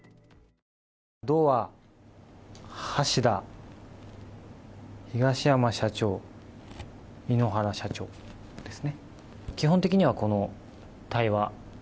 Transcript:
ドア、橋田、東山社長井ノ原社長です。